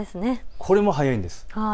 これも早いんです。